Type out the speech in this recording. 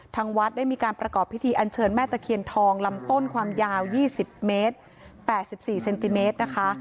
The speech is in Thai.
ทางวัดได้มีการประกอบพิธีอันเชิญแม่ตะเคียนทองลำต้นความยาว๒๐เมตร๘๔เซนติเมตรนะคะ